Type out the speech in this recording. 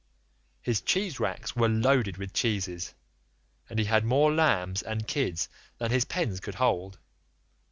His cheese racks were loaded with cheeses, and he had more lambs and kids than his pens could hold.